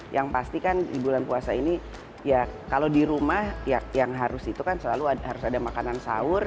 yang pasti kan di bulan puasa ini ya kalau di rumah yang harus itu kan selalu harus ada makanan sahur